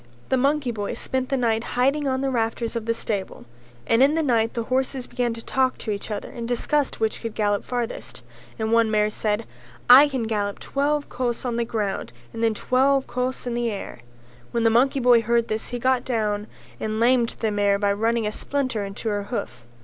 The monkey boy spent the night hiding on the rafters of the stable; and in the night the horses began to talk to each other and discussed which could gallop farthest, and one mare said "I can gallop twelve kos on the ground and then twelve kos in the air." When the monkey boy heard this he got down and lamed the mare by running a splinter into her hoof.